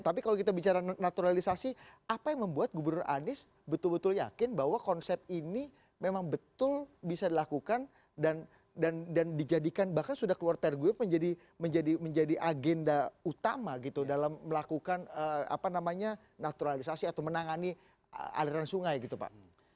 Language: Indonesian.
tapi kalau kita bicara naturalisasi apa yang membuat gubernur anies betul betul yakin bahwa konsep ini memang betul bisa dilakukan dan dijadikan bahkan sudah keluar tergugame menjadi agenda utama gitu dalam melakukan naturalisasi atau menangani aliran sungai gitu pak